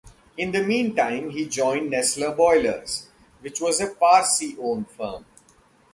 In the meantime, he joined Nestler Boilers, which was a Parsi-owned firm.